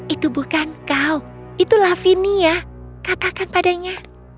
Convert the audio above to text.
itu bukan kau itu lavenia katakan padanya